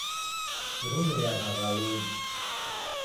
Sirumiriagha w'alodi.